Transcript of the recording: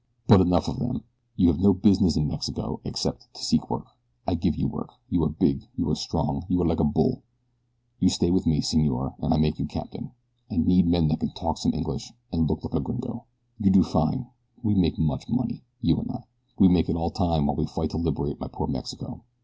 But enough of them. You have no business in Mexico except to seek work. I give you work. You are big. You are strong. You are like a bull. You stay with me, senor, and I make you captain. I need men what can talk some English and look like gringo. You do fine. We make much money you and I. We make it all time while we fight to liberate my poor Mexico.